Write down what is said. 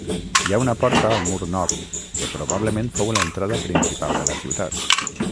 Hi ha una porta al mur nord, que probablement fou l'entrada principal de la ciutat.